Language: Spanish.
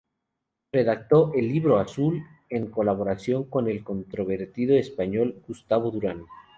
Redactó, el ""Libro Azul"" en colaboración con el controvertido español Gustavo Durán.